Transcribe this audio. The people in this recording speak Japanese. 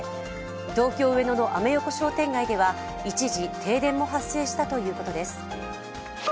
東京・上野のアメ横商店街では一時停電も発生したということです。